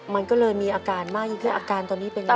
มันก็เลยมีอาการไหมคืออาการตอนนี้เป็นไงครับ